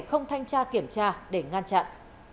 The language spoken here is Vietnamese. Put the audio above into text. không thanh tra kiểm tra để ngăn chặn